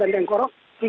dari keterangan pak jokowi